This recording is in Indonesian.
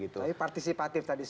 tapi partisipatif tadi